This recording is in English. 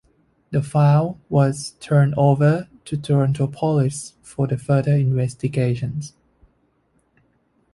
The file was turned over to Toronto Police for further investigation.